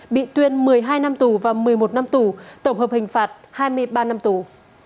bị tuyên một mươi hai năm tù và một mươi một năm tù tổng hợp hình phạt hai mươi ba năm tù